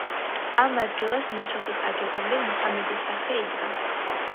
ამ ადგილას მეჩეთის აგებამდე მუჰამედის სახლი იდგა.